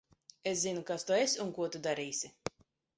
Es zinu, kas tu esi un ko tu darīsi.